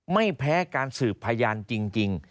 ไม่แพ้การสืบพยานจริง